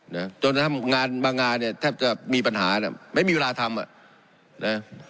นะจนกระทั่งงานบางงานเนี่ยแทบจะมีปัญหาน่ะไม่มีเวลาทำอ่ะนะ